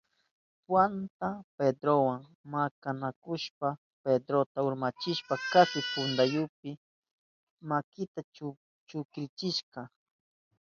Juanka Pedrowa makanakushpankuna Pedrota urmachishpan kaspi puntayupi makinta chukrichirka.